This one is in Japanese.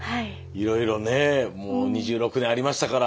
いろいろねもう２６年ありましたから。